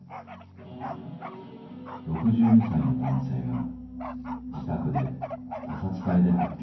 ６２歳の男性が自宅で他殺体で発見された。